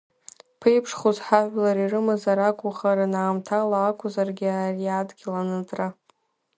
Ԥеиԥшхус ҳажәлар ирымазар акухарын аамҭала акузаргьы ари адгьыл аныҵра.